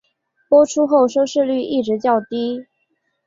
播出后收视率一直较低。